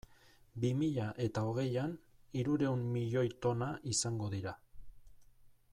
Bi mila eta hogeian hirurehun milioi tona izango dira.